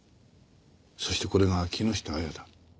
そしてこれが木下亜矢だ。